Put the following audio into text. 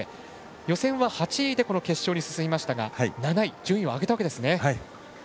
予選は８位で決勝に進みましたが７位順位を上げましたね。